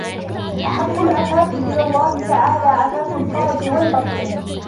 أَحَبُّ الْعَفَافِ إلَى اللَّهِ تَعَالَى عَفَافُ الْفَرْجِ وَالْبَطْنِ